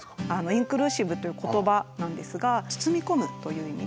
インクルーシブという言葉なんですが「包み込む」という意味で。